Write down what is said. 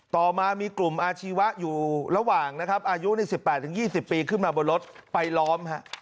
ต่อมามีกลุ่มอาชีวะอยู่ระหว่างนะครับอายุใน๑๘๒๐ปีขึ้นมาบนรถไปล้อม